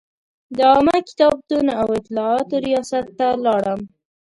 د عامه کتابتون او اطلاعاتو ریاست ته لاړم.